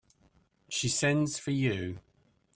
She sends for you.